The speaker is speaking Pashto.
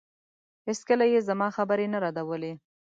هېڅکله يې زما خبرې نه ردولې.